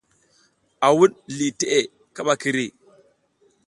A wuɗ liʼi teʼe kaɓa kiri.